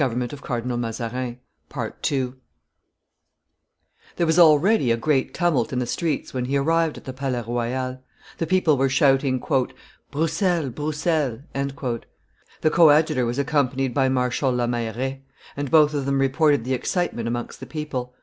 [Illustration: Cardinal de Retz 352] There was already a great tumult in the streets when he arrived at the Palais Royal: the people were shouting, "Broussel! Broussel!" The coadjutor was accompanied by Marshal la Meilleraye; and both of them reported the excitement amongst the people.